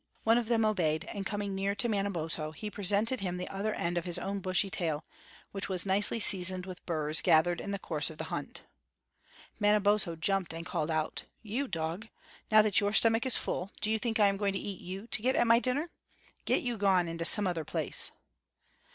One of them obeyed, and coming near to Manabozho, he presented him the other end of his own bushy tail, which was nicely seasoned with burrs gathered in the course of the hunt. Manabozho jumped up and called out: "You dog, now that your stomach is full, do you think I am going to eat you to get at my dinner? Get you gone into some other place."